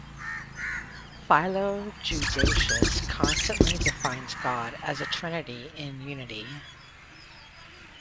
Philo Judaeus constantly defines God as a Trinity in Unity.